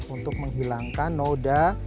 untuk menghilangkan noda